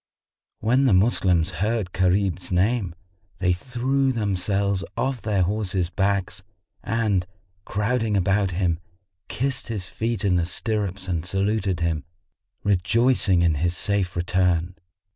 When the Moslems heard Gharib's name, they threw themselves off their horses' backs, and, crowding about him, kissed his feet in the stirrups and saluted him, rejoicing in his safe return.